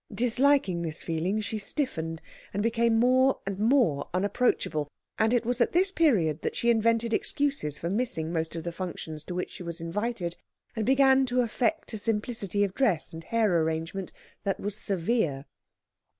Disliking this feeling, she stiffened, and became more and more unapproachable; and it was at this period that she invented excuses for missing most of the functions to which she was invited, and began to affect a simplicity of dress and hair arrangement that was severe.